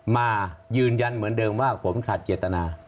มายืนยันเหมือนเดิมว่าผมขาดเจตนา